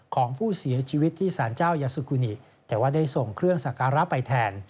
ของผู้เสียชีวิตที่สารเจ้ายาสุกูนิแต่ว่าได้ส่งเครื่องสักการะไปแทน